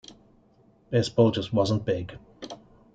Baseball just wasn't big.